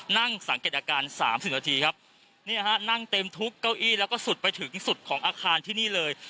นั่งสังเกตอาการสามสิบนาทีครับเนี่ยฮะนั่งเต็มทุกเก้าอี้แล้วก็สุดไปถึงสุดของอาคารที่นี่เลย